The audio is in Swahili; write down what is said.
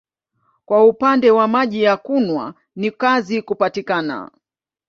Kwa upande wa maji ya kunywa ni kazi kupatikana.